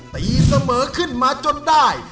ตีเสมอขึ้นมาจนได้